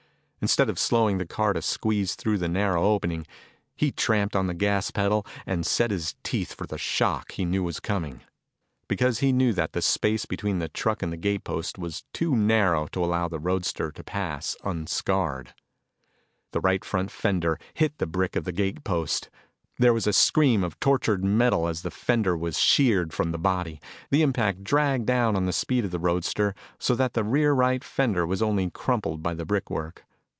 Instead of slowing the car to squeeze through the narrow opening, he tramped on the gas pedal and set his teeth for the shock he knew was coming. Because he knew that the space between truck and gate post was too narrow to allow the roadster to pass unscarred. The right front fender hit the brick of the gate post. There was a scream of tortured metal as the fender was sheared from the body. The impact dragged down on the speed of the roadster so that the rear right fender was only crumpled by the brick work.